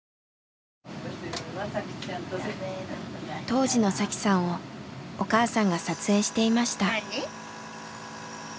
当時の紗輝さんをお母さんが撮影していました。